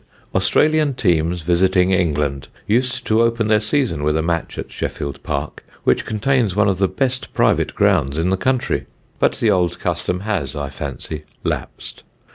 Australian teams visiting England used to open their season with a match at Sheffield Park, which contains one of the best private grounds in the country; but the old custom has, I fancy, lapsed.